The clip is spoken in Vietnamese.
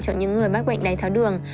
cho những người mắc bệnh đầy tháo đường